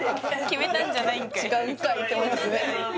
決めたんじゃないんかい違うんかいって思いますね